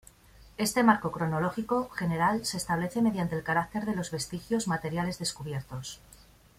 Este marco cronológico general se establece mediante el carácter de los vestigios materiales descubiertos.